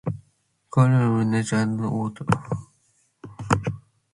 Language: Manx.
Cur dty chass er dhiane as nee e chyndaa ort.